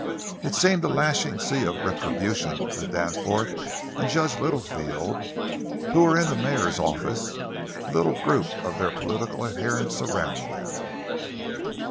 It seemed a lashing sea of retribution to Danforth and Judge Littlefield, who were in the mayor's office, a little group of their political adherents around them.